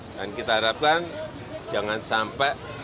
dan kita harapkan jangan sampai